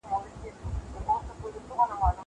زه له سهاره کتابونه لوستل کوم!!